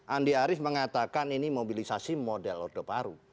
andi arief mengatakan ini mobilisasi model lodoparu